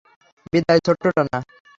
বিদায়, ছোট্ট ডানা।